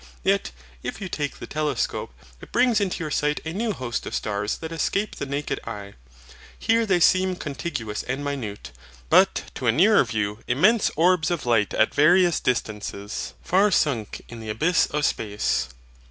Yet, if you take the telescope, it brings into your sight a new host of stars that escape the naked eye. Here they seem contiguous and minute, but to a nearer view immense orbs of fight at various distances, far sunk in the abyss of space.